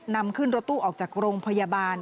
นำขึ้นรถตู้ออกจากโรงพยาบาล